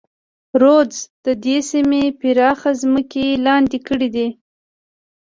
رودز د دې سیمې پراخه ځمکې لاندې کړې.